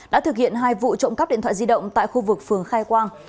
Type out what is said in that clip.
đã thực hiện hai vụ trộm cắp điện thoại di động tại khu vực phường khai quang